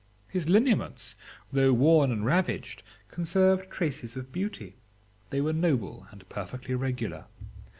His lineaments, though worn and ravaged, conserved traces of beauty; they were noble and perfectly regular.